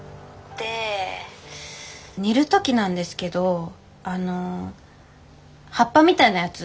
で煮る時なんですけどあの葉っぱみたいなやつ？